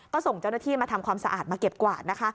ก็ส่งเจ้าหน้าที่มาทำความสะอาดมาเก็บกวาดนะคะ